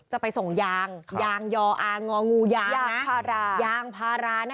จะไปส่งยางยางยออางงองูยางพารา